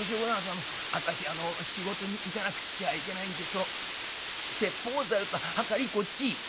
あの私あの仕事に行かなくっちゃいけないんでその鉄砲ざるとはかりこっち」。